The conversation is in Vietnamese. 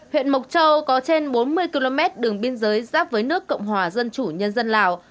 huyện mộc châu có trên bốn mươi km đường biên giới giáp với nước cộng hòa dân chủ nhân dân lào